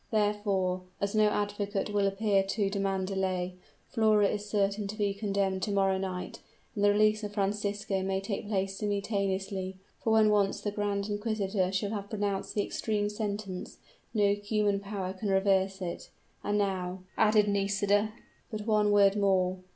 Therefore, as no advocate will appear to demand delay, Flora is certain to be condemned to morrow night, and the release of Francisco may take place simultaneously for when once the grand inquisitor shall have pronounced the extreme sentence, no human power can reverse it. And now," added Nisida, "but one word more.